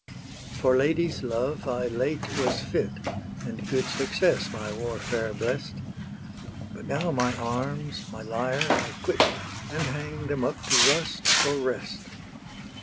For ladies's love I late was fit, And good success my warfare blest, But now my arms, my lyre I quit, And hang them up to rust or rest.